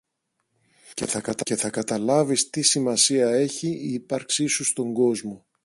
και θα καταλάβεις τι σημασία έχει η ύπαρξη σου στον κόσμο.